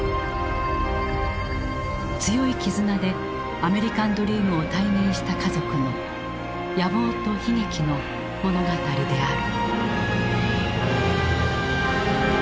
強い絆でアメリカンドリームを体現した家族の野望と悲劇の物語である。